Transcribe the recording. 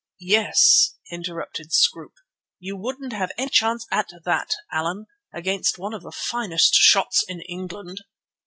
"Yes," interrupted Scroope, "you wouldn't have any chance at that, Allan, against one of the finest shots in England."